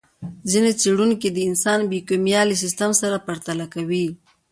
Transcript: ځينې څېړونکي د انسان بیوکیمیا له سیستم سره پرتله کوي.